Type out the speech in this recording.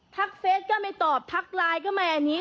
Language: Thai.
เฟสก็ไม่ตอบทักไลน์ก็มาอันนี้